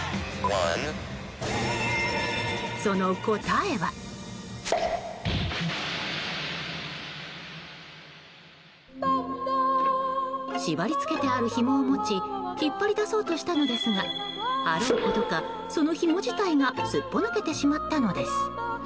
その答えは。しばりつけてあるひもを持ち引っ張り出そうとしたのですがあろうことか、そのひも自体がすっぽ抜けてしまったのです。